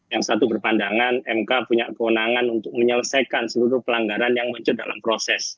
yang satu berpandangan mk punya kewenangan untuk menyelesaikan seluruh pelanggaran yang muncul dalam proses